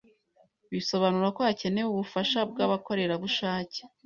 Bisobanura ko hakenewe ubufasha bwabakorerabushake